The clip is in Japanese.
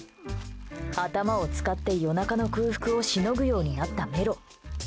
頭を使って、夜中の空腹をしのぐようになったメロ。